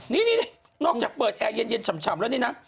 นี่นอกจากเปิดแอร์เย็นฉ่ำแล้วนี่นะ